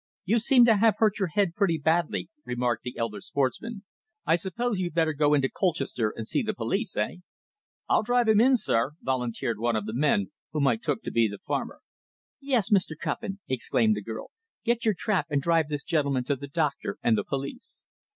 "You seem to have hurt your head pretty badly," remarked the elder sportsman. "I suppose you'd better go into Colchester and see the police eh?" "I'll drive him in, sir," volunteered one of the men, whom I took to be the farmer. "Yes, Mr. Cuppin," exclaimed the girl. "Get your trap and drive this gentleman to the doctor and the police."